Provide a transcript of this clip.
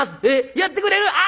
「えっやってくれる？